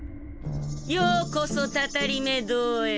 ようこそ「たたりめ堂」へ。